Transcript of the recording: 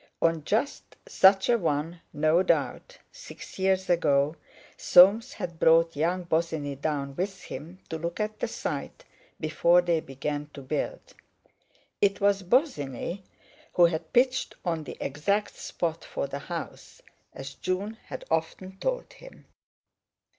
On just such a one, no doubt, six years ago, Soames had brought young Bosinney down with him to look at the site before they began to build. It was Bosinney who had pitched on the exact spot for the house—as June had often told him.